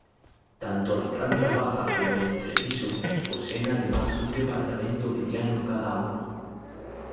Tanto la planta baja como el entrepiso poseen además un departamento mediano cada uno.